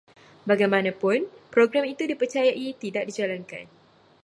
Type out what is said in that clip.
Bagaimanapun, program itu dipercayai tidak dijalankan